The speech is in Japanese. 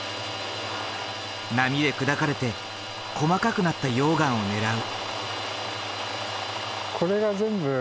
波で砕かれて細かくなった溶岩を狙う。